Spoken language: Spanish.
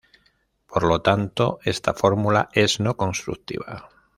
Por lo tanto, esta fórmula es no-constructiva.